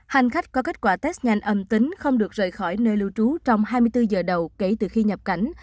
hành khách có kết quả test nhanh âm tính không được rời khỏi nơi lưu trú trong hai mươi bốn giờ đầu kể từ khi nhập cảnh